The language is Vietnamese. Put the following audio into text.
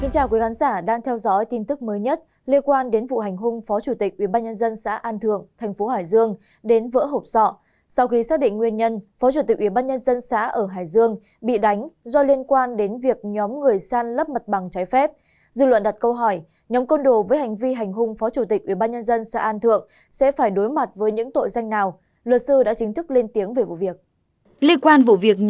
các bạn hãy đăng ký kênh để ủng hộ kênh của chúng mình nhé